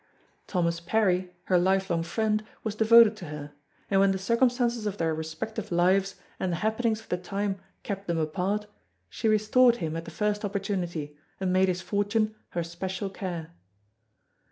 Thomas Parry her life long friend was devoted to her, and when the circumstances of their respective lives and the happenings of the time kept them apart, she restored him at the first opportunity and made his fortune her special care.